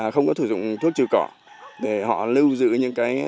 không có sử dụng thuốc trừ cỏ để họ lưu giữ những cái